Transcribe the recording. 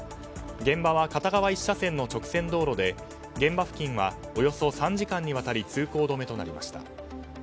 現場は片側１車線の直線道路で現場付近はおよそ３時間にわたり通行止めとなりました。